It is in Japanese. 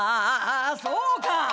「そうか。